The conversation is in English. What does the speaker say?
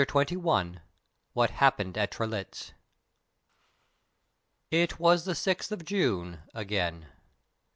CHAPTER XXI WHAT HAPPENED AT TRELITZ It was the 6th of June again.